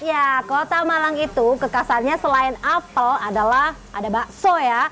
ya kota malang itu kekasarnya selain apel adalah ada bakso ya